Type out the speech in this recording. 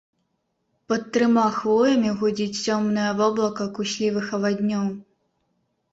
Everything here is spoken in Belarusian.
Пад трыма хвоямі гудзіць цёмнае воблака куслівых аваднёў.